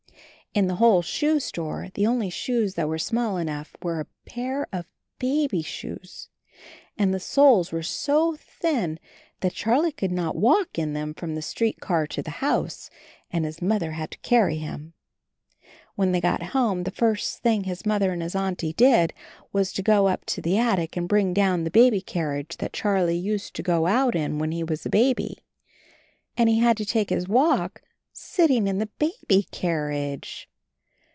In the whole shoe store the only shoes that were small enough were a pair of baby's shoes — and the soles were so thin that Charlie could not walk in them from the street car to the house, and his Mother had to carry him. When they got home, the first thing his Mother and his Auntie did was to go up to the attic and brin^ down the baby carriage 84 CHARLIE that Charlie used to go out in when he was a baby — and he had to take his walk sitting in the baby carriage.